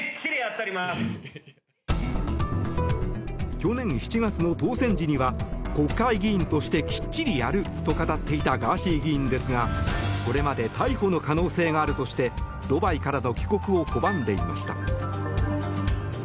去年７月の当選時には国会議員としてきっちりやると語っていたガーシー議員ですがこれまで逮捕の可能性があるとしてドバイからの帰国を拒んでいました。